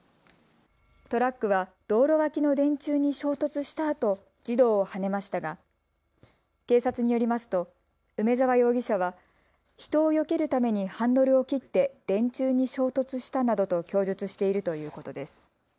トラックは道路脇の電柱に衝突したあと児童をはねましたが警察によりますと梅澤容疑者は人をよけるためにハンドルを切って電柱に衝突したなどと供述しているということです。